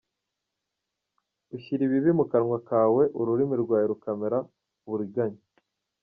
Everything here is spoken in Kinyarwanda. “Ushyira ibibi mu kanwa kawe, Ururimi rwawe rukarema uburiganya